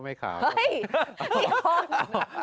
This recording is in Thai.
พิกฟาร์ม